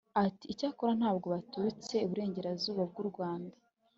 ati: “icyakora ntabwo baturutse iburengera zuba bw’u rwanda,